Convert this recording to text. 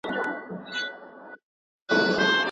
ما په دغه کمپیوټر کي د ژبې د امتحان لپاره تیاری ونیولی.